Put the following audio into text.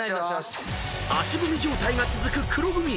［足踏み状態が続く黒組］